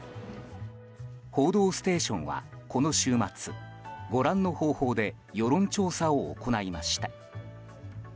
「報道ステーション」はこの週末ご覧の方法で世論調査を行いました。